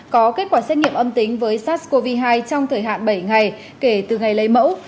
có kết quả xét nghiệm âm tính với sars cov hai trong thời hạn bảy ngày kể từ ngày lấy mẫu